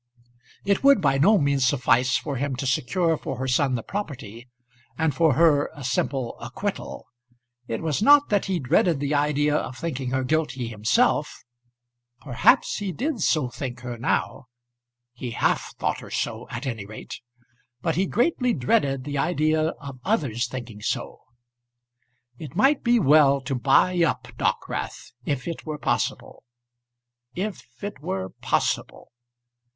It would by no means suffice for him to secure for her son the property, and for her a simple acquittal. It was not that he dreaded the idea of thinking her guilty himself; perhaps he did so think her now he half thought her so, at any rate; but he greatly dreaded the idea of others thinking so. It might be well to buy up Dockwrath, if it were possible. If it were possible!